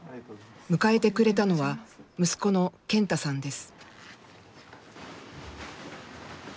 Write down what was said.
迎えてくれたのは息子の健太さんです。